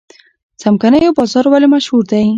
څمکنیو بازار ولې مشهور دی؟